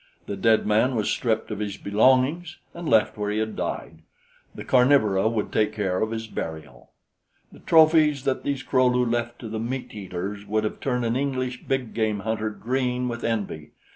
The dead man was stripped of his belongings and left where he had died; the carnivora would take care of his burial. The trophies that these Kro lu left to the meat eaters would have turned an English big game hunter green with envy.